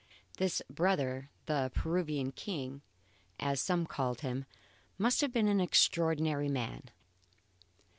This brother the Peruvian King, as some called him must have been an extraordinary man.